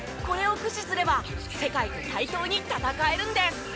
これを駆使すれば世界と対等に戦えるんです。